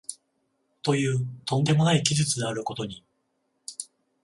という飛んでもない奇術であることに、